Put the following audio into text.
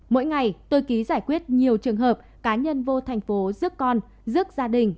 mỗi ngày tôi ký giải quyết nhiều trường hợp cá nhân vô thành phố rước con rước gia đình